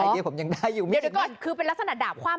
เดี๋ยวคือเป็นลักษณะดาบคว่ำใช่ไหม